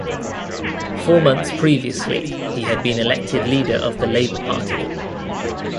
Four months previously, he had been elected Leader of the Labour Party.